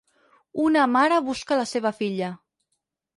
Una mare busca la seva filla.